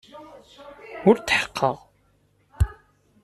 Ur tḥeqqeɣ.